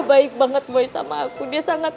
baik banget boy sama aku dia sangat